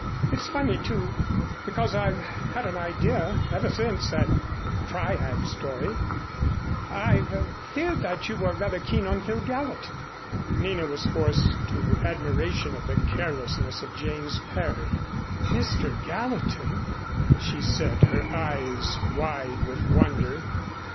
"It's funny, too, because I've had an idea ever since that Dryad story I've feared that you were rather keen on Phil Gallatin." Nina was forced to admiration of the carelessness of Jane's parry. "Mr. Gallatin!" she said, her eyes wide with wonder.